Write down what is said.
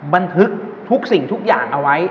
บันทึกทุกสิ่งทุกอย่างเอาไว้